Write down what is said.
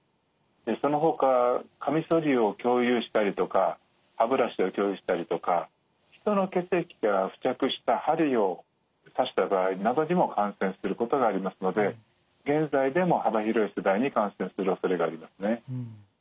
そのほかかみそりを共有したりとか歯ブラシを共有したりとか人の血液が付着した針を刺した場合などにも感染することがありますので現在でも幅広い世代に感染するおそれがありますね。